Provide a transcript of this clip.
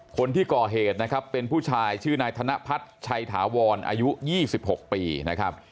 คนที่ก่อเหตุนะครับเป็นผู้ชายชื่อนายธนพัฒน์ชัยถาวรอายุ๒๖ปีนะครับ